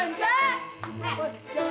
jangan bawa peh mak